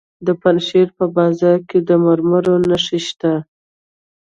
د پنجشیر په بازارک کې د مرمرو نښې شته.